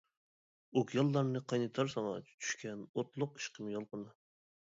ئوكيانلارنى قاينىتار ساڭا، چۈشكەن ئوتلۇق ئىشقىم يالقۇنى.